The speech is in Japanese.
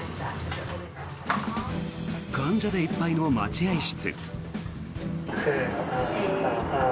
患者でいっぱいの待合室。